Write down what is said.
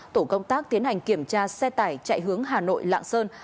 tổ công tác tiến hành kiểm tra xe tải chạy hướng hà nội lạng sơn